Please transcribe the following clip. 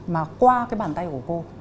mà qua cái bàn tay của cô